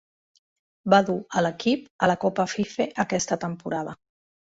Va dur a l'equip a la Copa Fife aquesta temporada.